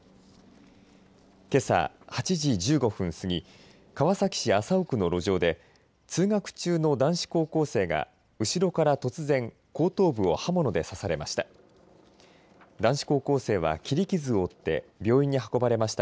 けさ８時１５分過ぎ、川崎市麻生区の路上で通学中の男子高校生が後ろから突然後頭部を刃物で刺されました。